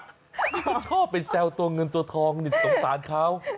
เขาชอบไปแซวตัวเงินตัวทองนี่สงสารเขา